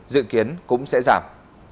dự kiến cũng sẽ giảm